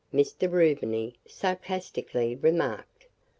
Mr. Rubiny sarcastically remarked.